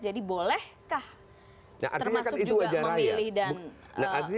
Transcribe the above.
jadi bolehkah termasuk juga memilih dan presiden dan wajah presiden